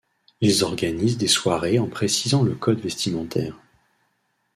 Ils organisent des soirées en précisant le code vestimentaire.